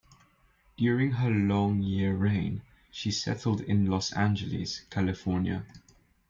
During her year-long reign, she settled in Los Angeles, California.